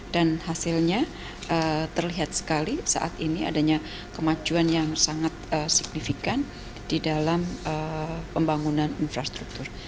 dan hasilnya terlihat sekali saat ini adanya kemajuan yang sangat signifikan di dalam pembangunan infrastruktur